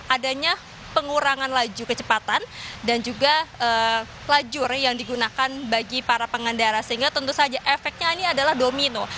adanya pengurangan laju kecepatan dan juga lajur yang digunakan bagi para pengendara sehingga tentu saja efeknya ini adalah domino